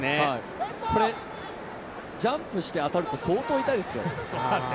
これ、ジャンプして当たると相当痛いですよ。